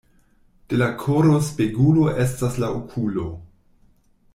De la koro spegulo estas la okulo.